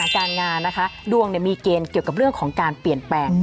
การงานนะคะดวงมีเกณฑ์เกี่ยวกับเรื่องของการเปลี่ยนแปลง